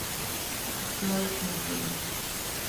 Yui Makino